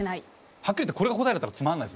はっきり言ってこれが答えだったらつまんないっすもんね。